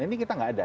ini kita gak ada